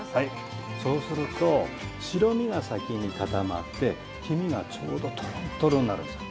そうすると白身が先に固まって黄身がちょうどトロントロンになるんです。